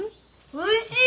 おいしい！